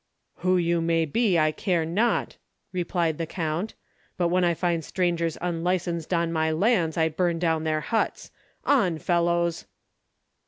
"Who you may be I care not," replied the count, "but when I find strangers unlicensed on my lands, I burn down their huts. On, fellows!"